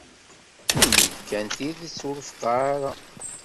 Ini-d kan tidet. Ur feqqɛeɣ ara.